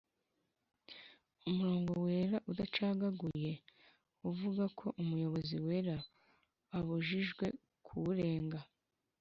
Umurongo wera udacagaguye uvuga ko umuyobozi wese abujijwe kuwurenga.